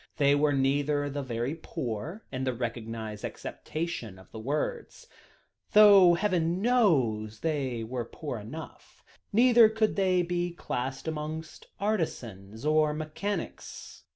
They were neither the very poor in the recognised acceptation of the words, though heaven knows they were poor enough neither could they be classed amongst artisans, or mechanics.